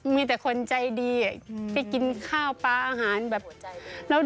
มีแต่คนใจดีไปกินข้าวปลาอาหารแบบแล้ว